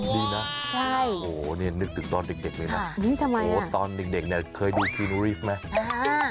ดีนะโอ้โหนี่นึกถึงตอนเด็กเลยนะโอ้โหตอนเด็กเนี่ยเคยดูพรีนูรีฟไหม